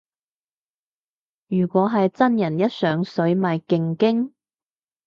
如果係真人一上水咪勁驚